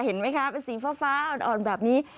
เห็นไหมคะเป็นสีฟ้าอ่อนแบบนี้